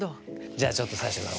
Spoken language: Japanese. じゃあちょっと最初から。